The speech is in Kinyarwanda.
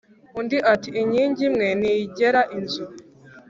undi ati :“Inkingi imwe ntigera inzu”.